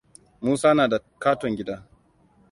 Musa na da katon gida.